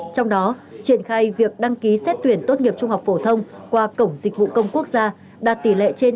trong đó triển khai việc đăng ký xét tuyển tốt nghiệp trung học phổ thông qua cổng dịch vụ công quốc gia đạt tỷ lệ trên chín mươi ba